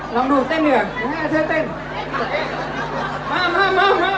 ลองดูเต้นหนึ่งเหรอ